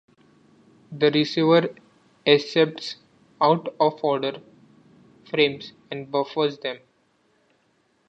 The receiver accepts out-of-order frames and buffers them.